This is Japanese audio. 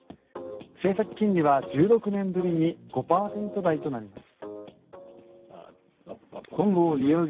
政策金利は１６年ぶりに５％台となります。